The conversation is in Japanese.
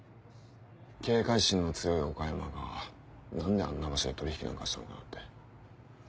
警戒心の強い岡山が何であんな場所で取引なんかしたのかなって。